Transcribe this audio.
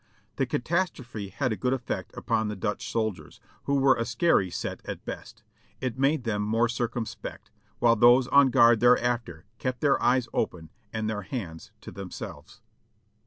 The catastrophe had a good effect upon the Dutch soldiers, who were a scary set at best. It made them more circumspect, while those on guard thereafter kept their eyes open and their hands to themselves.